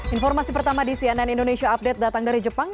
informasi pertama di cnn indonesia update datang dari jepang